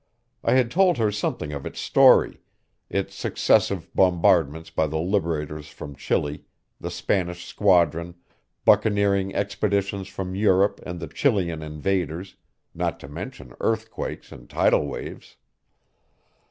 I had told her something of its story: its successive bombardments by the liberators from Chile, the Spanish squadron, buccaneering expeditions from Europe and the Chilean invaders; not to mention earthquakes and tidal waves.